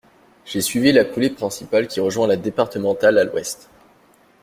J’ai suivi la coulée principale qui rejoint la départementale à l’ouest.